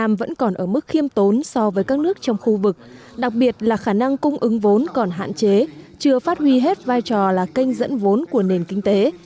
việt nam vẫn còn ở mức khiêm tốn so với các nước trong khu vực đặc biệt là khả năng cung ứng vốn còn hạn chế chưa phát huy hết vai trò là kênh dẫn vốn của nền kinh tế